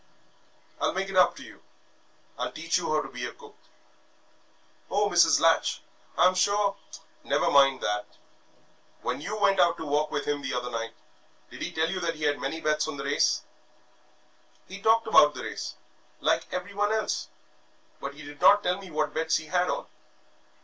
I'll make it up to you I'll teach you how to be a cook." "Oh, Mrs. Latch, I am sure " "Never mind that. When you went out to walk with him the other night, did he tell you that he had many bets on the race?" "He talked about the race, like everyone else, but he did not tell me what bets he had on."